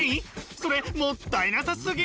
それもったいなさすぎ！